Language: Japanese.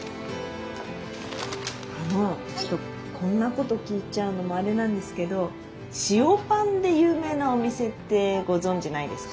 あのちょっとこんなこと聞いちゃうのもあれなんですけど塩パンで有名なお店ってご存じないですか？